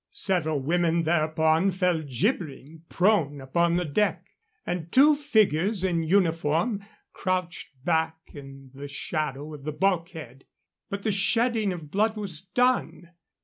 Several women thereupon fell jibbering prone upon the deck, and two figures in uniform crouched back in the shadow of the bulkhead. But the shedding of blood was done.